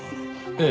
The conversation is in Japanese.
ええ。